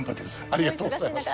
ありがとうございます。